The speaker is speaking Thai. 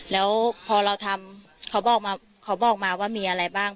แล้วพอเราทำเขาบอกมาเขาบอกมาว่ามีอะไรบ้าง